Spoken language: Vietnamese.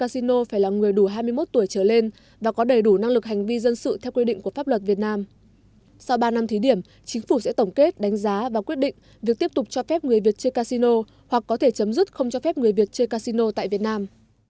sau ba năm thí điểm chính phủ sẽ tổng kết đánh giá và quyết định việc tiếp tục cho phép người việt chê casino hoặc có thể chấm dứt không cho phép người việt chơi casino tại việt nam